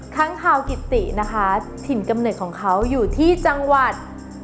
ค้างคาวกิตินะคะถิ่นกำเนิดของเขาอยู่ที่จังหวัด